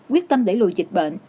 quyết tâm để lùi dịch bệnh